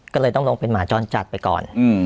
ก็เลยต้องลงเป็นหมาจรจัดไปก่อน